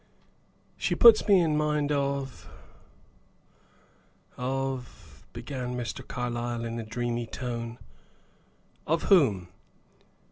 "She puts me in mind of of " began Mr. Carlyle, in a dreamy tone. "Of whom?"